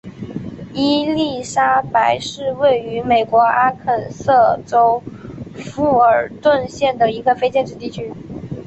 伊莉莎白是位于美国阿肯色州富尔顿县的一个非建制地区。